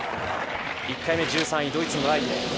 １回目１３位、ドイツのライエ。